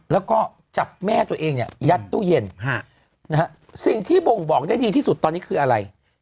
แล้วก็จับแม่ตัวเองเนี่ยยัดตู้เย็นสิ่งที่บ่งบอกได้ดีที่สุดตอนนี้คืออะไร